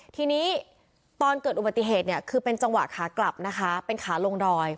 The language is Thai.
ทีนี้ตอนเกิดอุบัติเหตุเนี่ยคือเป็นจังหวะขากลับนะคะเป็นขาลงดอย